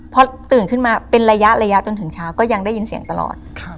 พอตื่นขึ้นมาเป็นระยะจนถึงเช้าก็ยังได้ยินเสียงตลอด